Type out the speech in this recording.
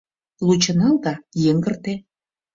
Лучо нал да йыҥгырте.